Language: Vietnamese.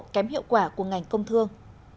kém hiệu quả của ngành công thương